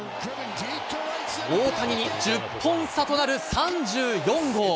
大谷に１０本差となる３４号。